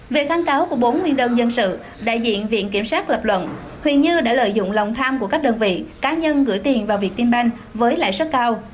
về kháng cáo của bốn nguyên đơn dân sự đại diện viện kiểm sát lập luận huỳnh như đã lợi dụng lòng tham của các đơn vị cá nhân gửi tiền vào việt tiên banh với lãi suất cao